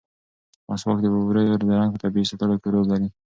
مسواک د ووریو د رنګ په طبیعي ساتلو کې رول لري.